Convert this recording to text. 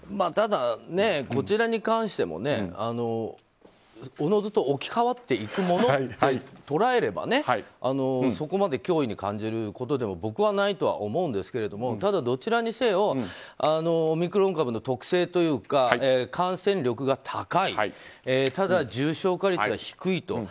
ただ、こちらに関してもおのずと置き換わっていくものと捉えればそこまで脅威に感じることでは僕はないとは思うんですけれどもただ、どちらにせよオミクロン株の特性というか感染力が高いただ重症化率が低いと。